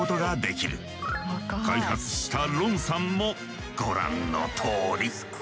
開発したロンさんもご覧のとおり。